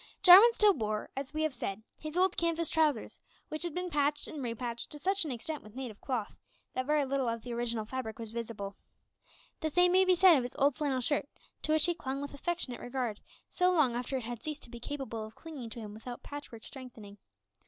Jarwin still wore, as we have said, his old canvas trousers, which had been patched and re patched to such an extent with native cloth, that very little of the original fabric was visible. The same may be said of his old flannel shirt, to which he clung with affectionate regard long after it had ceased to be capable of clinging to him without patchwork strengthening.